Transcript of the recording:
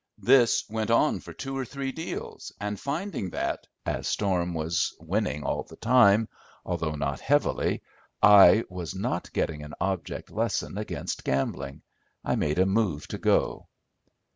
This went on for two or three deals, and finding that, as Storm was winning all the time, although not heavily, I was not getting an object lesson against gambling, I made a move to go.